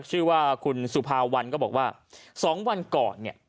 ชื่อว่าคุณสุภาวันก็บอกว่า๒วันก่อนเนี่ย